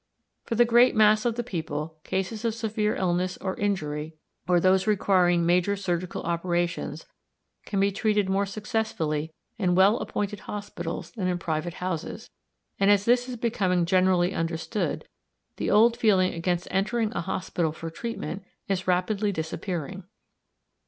For the great mass of the people, cases of severe illness or injury, or those requiring major surgical operations, can be treated more successfully in well appointed hospitals than in private houses, and as this is becoming generally understood the old feeling against entering a hospital for treatment is rapidly disappearing.